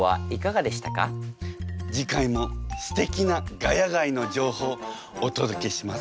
次回もすてきな「ヶ谷街」の情報をお届けします。